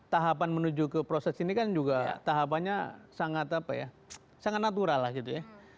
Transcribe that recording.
tahapan menuju ke proses ini kan juga tahapannya sangat apa ya sangat natural lah gitu ya